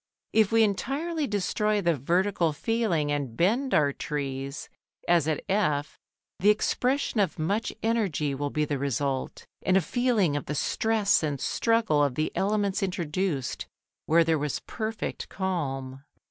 If we entirely destroy the vertical feeling and bend our trees, as at F, the expression of much energy will be the result, and a feeling of the stress and struggle of the elements introduced where there was perfect calm.